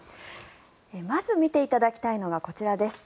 まず見ていただきたいのがこちらです。